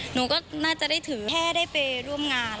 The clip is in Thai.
หนูก็น่าจะได้ถือแค่ได้ไปร่วมงาน